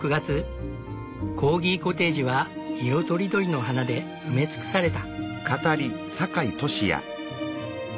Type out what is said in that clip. コーギコテージは色とりどりの花で埋め尽くされた。